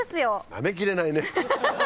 なめきれないね。